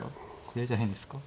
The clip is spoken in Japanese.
これじゃ変ですか。